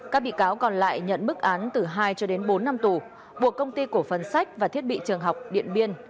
các bị cáo còn lại nhận bức án từ hai cho đến bốn năm tù buộc công ty cổ phân sách và thiết bị trường học điện biên